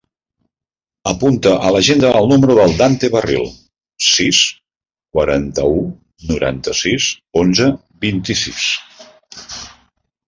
Apunta a l'agenda el número del Dante Barril: sis, quaranta-u, noranta-sis, onze, vint-i-sis.